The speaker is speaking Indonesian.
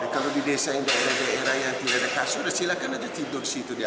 kalau di desa yang daerah daerah yang tidak ada kasur silahkan aja tidur di situ di atas